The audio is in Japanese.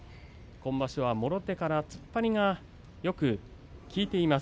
今場所、もろ手から突っ張りがよく効いています